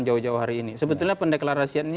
jawa jawa hari ini sebetulnya pendeklarasian ini